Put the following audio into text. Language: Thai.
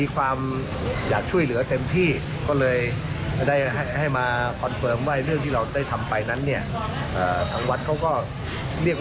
ครับเสร็จแล้วไม่มีอะไรเลย